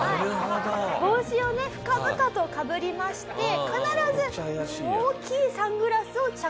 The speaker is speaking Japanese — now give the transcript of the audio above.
帽子をね深々とかぶりまして必ず大きいサングラスを着用して会っていたと。